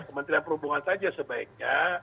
kementerian perhubungan saja sebaiknya